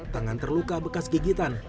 tangan terluka bekas gigitan